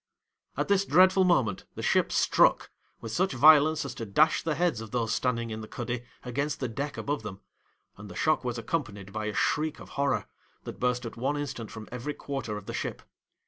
'At this dreadful moment, the ship struck, with such violence as to dash the heads of those standing in the cuddy against the deck above them, and the shock was accompanied by a shriek of horror that burst at one instant from every quarter of the ship.